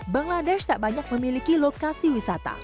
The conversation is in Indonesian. bangladesh tak banyak memiliki lokasi wisata